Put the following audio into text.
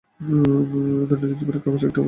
ব্যবহার: দৈনন্দিন জীবনে কাগজ একটি আবশ্যকীয় উপাদান।